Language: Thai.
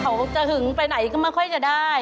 เขาจะหึงไปไหนก็ไม่ค่อยจะได้